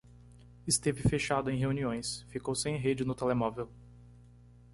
Esteve fechado em reuniões, ficou sem rede no telemóvel.